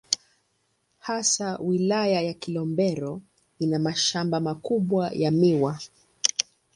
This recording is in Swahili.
Hasa Wilaya ya Kilombero ina mashamba makubwa ya miwa.